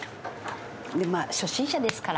でもまあ初心者ですから。